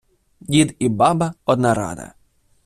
дід і баба – одна рада